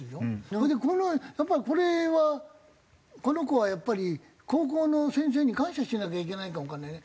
それでやっぱりこれはこの子はやっぱり高校の先生に感謝しなきゃいけないかもわかんないね。